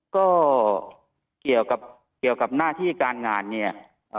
ก็เกี่ยวกับหน้าที่การงานเนี่ย